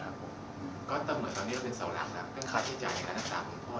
ก็แต่เหมือนตอนนี้เราเป็นเสาหลังครับเป็นความที่ใจในการตามคุณพ่อ